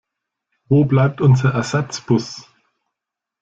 Wo bleibt unser Ersatzbus?